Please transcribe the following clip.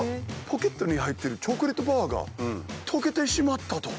ポケットに入ってるチョコレートバーが溶けてしまったと。